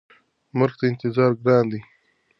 مرګ ته انتظار ګران دی.